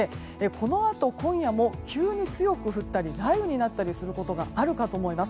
このあと今夜も急に強く降ったり雷雨になったりすることがあるかと思います。